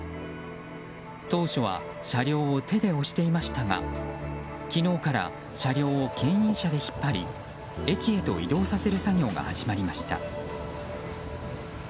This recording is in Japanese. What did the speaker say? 当初は車両を手で押していましたが昨日から車両を牽引車で引っ張り駅へと移動させる作業が始まりました。